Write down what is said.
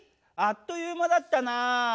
あっという間だったな！